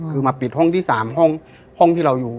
คือมาปิดห้องที่๓ห้องที่เราอยู่